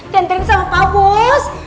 dendrik sama pak bos